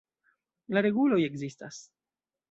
La reguloj ekzistas.